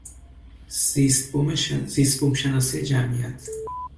زیست بوم شناسی جمعیت